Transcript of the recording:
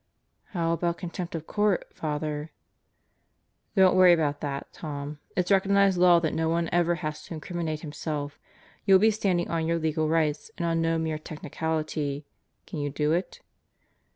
"How about contempt of court, Father?" "Don't worry about that, Tom. It's recognized law that no one ever has to incriminate himself. You'll be standing on your legal rights and on no mere technicality. Can you do it?"